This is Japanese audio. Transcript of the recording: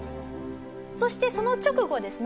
そしてその直後ですね